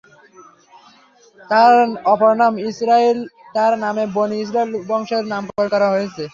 তাঁর অপর নাম ইসরাঈল, যার নামে বনী-ইসরাঈল বংশের নামকরণ করা হয়েছে।